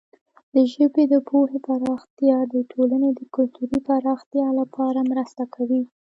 د ژبې د پوهې پراختیا د ټولنې د کلتوري پراختیا لپاره مرسته کوي.